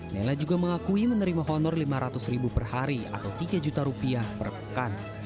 nela juga mengakui menerima honor lima ratus ribu per hari atau tiga juta rupiah per pekan